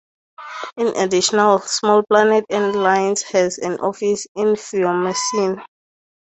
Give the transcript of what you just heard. In addition Small Planet Airlines has an office in Fiumicino.